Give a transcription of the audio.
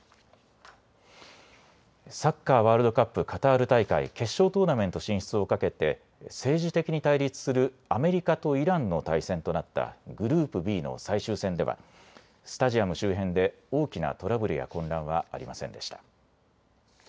サッカーワールドカップカタール大会、決勝トーナメント進出をかけて政治的に対立するアメリカとイランの対戦となったグループＢの最終戦ではスタジアム周辺で大きなトラブルや混乱はありませんでした。